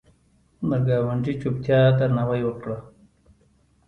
د ګاونډي چوپتیا درناوی وکړه